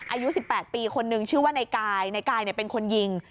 อายุสิบแปดปีคนหนึ่งชื่อว่าในกายในกายเนี่ยเป็นคนยิง